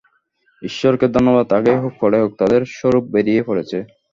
ঈশ্বরকে ধন্যবাদ, আগেই হোক, পড়েই হোক তাদের স্বরূপ বেরিয়ে পড়েছে।